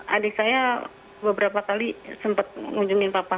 jadi adik saya beberapa kali sempat mengunjungi papa